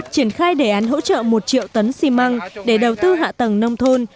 triển khai đề án hỗ trợ một triệu tấn xi măng để đầu tư hạ tầng nông thôn